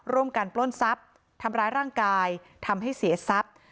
ปล้นทรัพย์ทำร้ายร่างกายทำให้เสียทรัพย์